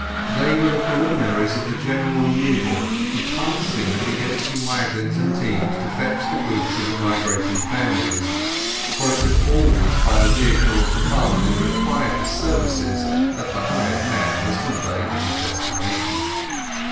They were the preliminaries of the general removal, the passing of the empty waggons and teams to fetch the goods of the migrating families; for it was always by the vehicle of the farmer who required his services that the hired man was conveyed to his destination.